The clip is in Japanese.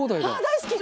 大好き！